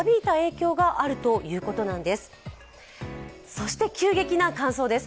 そして急激な感想です。